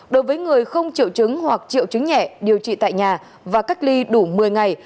đối với người không triệu chứng hoặc triệu chứng nhẹ điều trị tại nhà và cách ly đủ một mươi ngày